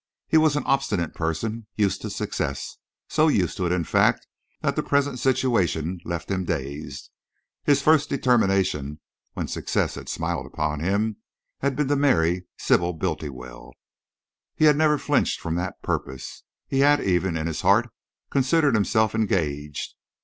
He was an obstinate person, used to success, so used to it, in fact, that the present situation left him dazed. His first determination, when success had smiled upon him, had been to marry Sybil Bultiwell. He had never flinched from that purpose. He had even, in his heart, considered himself engaged.